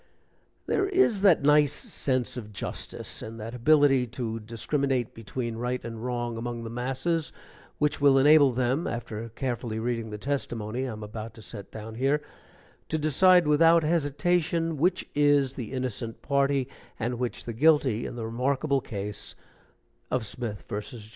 There is that nice sense of justice and that ability to discriminate between right and wrong, among the masses, which will enable them, after carefully reading the testimony I am about to set down here, to decide without hesitation which is the innocent party and which the guilty in the remarkable case of Smith vs.